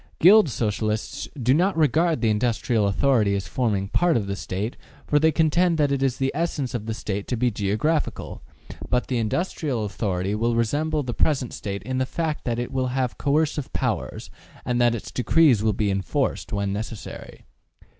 Guild Socialists do not regard the industrial authority as forming part of the State, for they contend that it is the essence of the State to be geographical; but the industrial authority will resemble the present State in the fact that it will have coercive powers, and that its decrees will be enforced, when necessary.